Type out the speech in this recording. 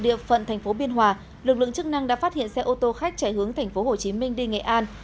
địa phận thành phố biên hòa lực lượng chức năng đã phát hiện xe ô tô khách chạy hướng thành phố hồ chí minh đi nghệ an